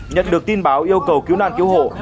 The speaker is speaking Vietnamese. nhận được tin báo yêu cầu cứu nạn cứu hộ